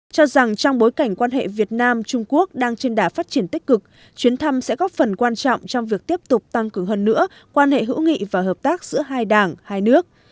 cho rằng trong bối cảnh quan hệ việt nam trung quốc đang trên đả phát triển tích cực chuyến thăm sẽ góp phần quan trọng trong việc tiếp tục tăng cường hơn nữa quan hệ hữu nghị và hợp tác giữa hai đảng hai nước